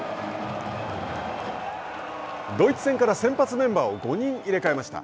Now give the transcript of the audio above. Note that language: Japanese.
ドイツ戦から先発メンバーを５人入れ替えました。